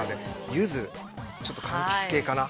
ゆず、ちょっとかんきつ系かな。